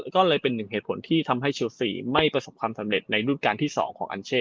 ก็เลยเป็นหนึ่งเหตุผลที่ทำให้เชลซีไม่ประสบความสำเร็จในรุ่นการที่๒ของอัญเช่